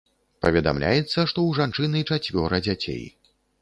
Паведамляецца, што ў жанчыны чацвёра дзяцей.